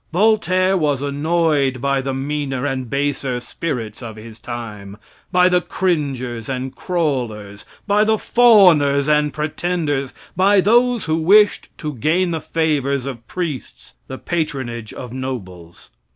Voltaire was annoyed by the meaner and baser spirits of his time, by the cringers and crawlers, by the fawners and pretenders, by those who wished to gain the favors of priests, the patronage of nobles.